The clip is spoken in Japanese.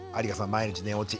「毎日寝落ち」